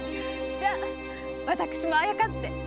じゃあ私もあやかって。